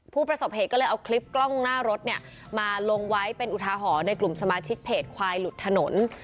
ผู้ประสบเหตุก็เลยเอาคลิปกล้องหน้ารถเนี่ยมาลงไว้เป็นอุทาหรณ์ในกลุ่มสมาชิกเพจควายหลุดถนน